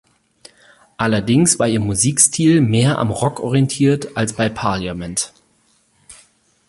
Allerdings war ihr Musikstil mehr am Rock orientiert als bei Parliament.